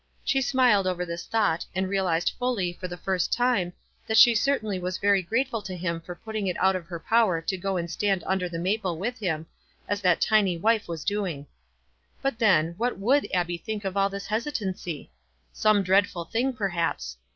She smiled over this thought, and realized fully, for the first time, that she certainly was very grateful to him for putting it out of her power to go and stand un der the maple with him, as that tiny wife was doing. But then, what would Abbie think of all this hesitancy? Some dreadful thing, per baps.